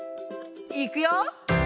いくよ！